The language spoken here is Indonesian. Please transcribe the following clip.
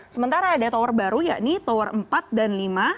sementara ada tower baru yakni tower empat dan lima